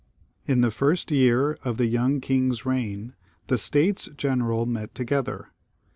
In the first year of the young king's reign the States General met together.